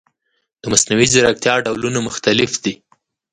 د مصنوعي ځیرکتیا ډولونه مختلف دي.